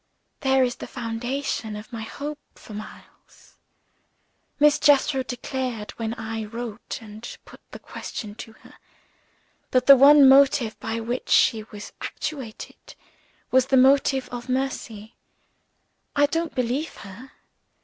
"There is the foundation of my hope for Miles. Miss Jethro declared, when I wrote and put the question to her, that the one motive by which she was actuated was the motive of mercy. I don't believe her.